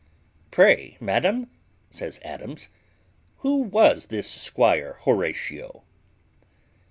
"Pray, madam," says Adams, "who was this squire Horatio?"